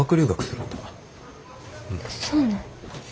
そうなん。